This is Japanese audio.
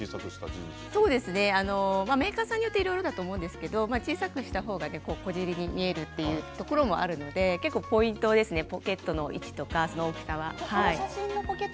メーカーさんによっていろいろだと思うんですが小さくしたほうが小尻に見える部分もあるんで結構ポイントですね、ポケットの位置や大きさは。